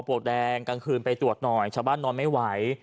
ฟังเสียงชาวบ้านหน่อยนะครับ